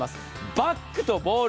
バッグとボール。